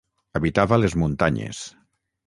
Habitava les muntanyes.